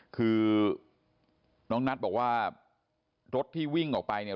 คือน้องนัทบอกว่ารถที่วิ่งออกไปเนี่ย